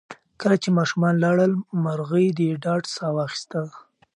کله چې ماشومان لاړل، مرغۍ د ډاډ ساه واخیسته.